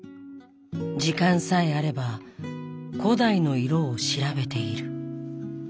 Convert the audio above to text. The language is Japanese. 時間さえあれば古代の色を調べている。